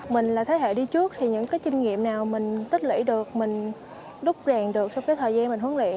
mình là thế hệ đi trước thì những cái trinh nghiệm nào mình tích lĩ được mình đúc ràng được trong cái thời gian mình huấn luyện